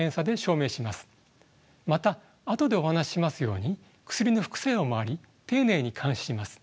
またあとでお話ししますように薬の副作用もあり丁寧に監視します。